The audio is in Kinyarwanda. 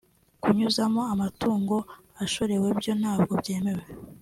kunyuzamo amatungo ashorewe byo ntabwo byemewe